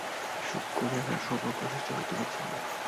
শূকরেরা সৌভাগ্য সৃষ্টি করতে পারছে না।